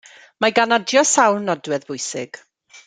Mae gan adio sawl nodwedd bwysig.